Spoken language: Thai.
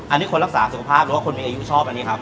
อันนี้คนรักษาสุขภาพหรือว่าคนมีอายุชอบอันนี้ครับ